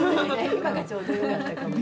今がちょうどよかったかもね。